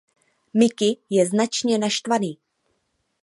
Mickey je značně naštvaný.